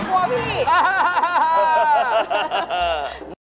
หนูว่าผีกลัวผี